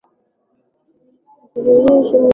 Wazikabithi heshima zako mbele yako.